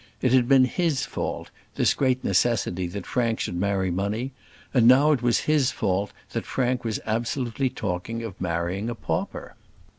It had been his fault, this great necessity that Frank should marry money; and now it was his fault that Frank was absolutely talking of marrying a pauper.